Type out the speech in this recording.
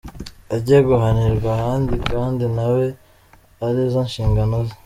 ajye guhanirwa ahandi kandi na we ari zo nshingano ze.